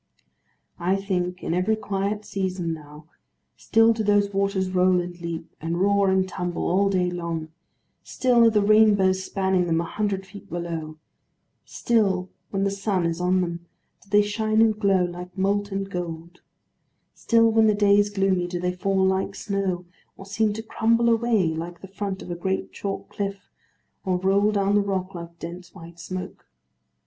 I think in every quiet season now, still do those waters roll and leap, and roar and tumble, all day long; still are the rainbows spanning them, a hundred feet below. Still, when the sun is on them, do they shine and glow like molten gold. Still, when the day is gloomy, do they fall like snow, or seem to crumble away like the front of a great chalk cliff, or roll down the rock like dense white smoke.